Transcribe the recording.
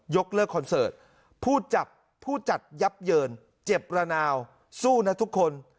กเลิกคอนเสิร์ตผู้จับผู้จัดยับเยินเจ็บระนาวสู้นะทุกคน